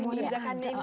semua di jakarta